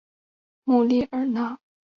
穆列尔讷。